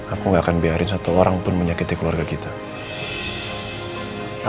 aku gak akan biarin satu orang pun menyakiti keluarga kita